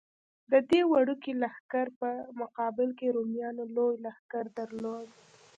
د دې وړوکي لښکر په مقابل کې رومیانو لوی لښکر درلود.